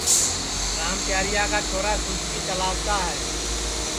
رام پیاریا کا چھورا سُوجکی چلاوتا ہے